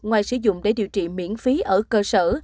ngoài sử dụng để điều trị miễn phí ở cơ sở